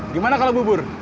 gimana kalau bubur